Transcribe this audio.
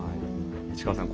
市川さん